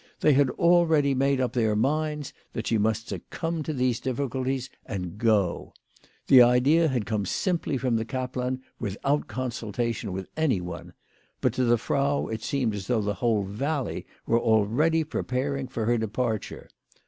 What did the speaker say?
They had already made up their minds that she must succumb to these difficulties and go ! The idea had come simply from the kaplan without consultation with any one, but to the Frau it seemed as though the whole valley were already preparing for her departure.